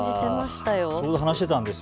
ちょうど話してたんですよ。